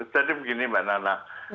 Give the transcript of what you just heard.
jadi begini mbak nana